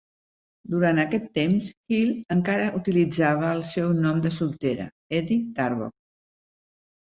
Durant aquest temps, Hill encara utilitzava el seu nom de soltera: Edye Tarbox.